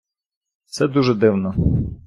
Це дуже дивно.